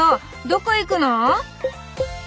どこへ行くの？